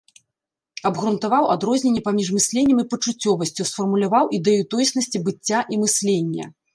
Абгрунтаваў адрозненне паміж мысленнем і пачуццёвасцю, сфармуляваў ідэю тоеснасці быцця і мыслення.